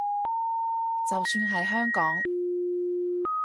就算係香港